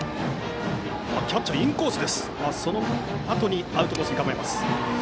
キャッチャーはインコースからアウトコースに構えます。